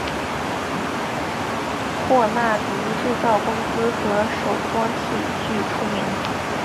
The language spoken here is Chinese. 霍纳迪制造公司和手装器具出名。